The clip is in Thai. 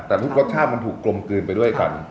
แต่รสชาติมันถูกกลมกลืนไปด้วยกัน